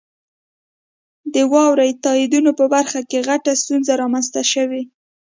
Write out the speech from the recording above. د واورئ تائیدو په برخه کې غټه ستونزه رامنځته شوي.